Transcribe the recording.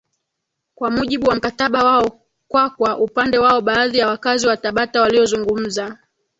kwa mujibu wa mkataba wao KwaKwa upande wao baadhi ya wakazi wa tabata waliozungumza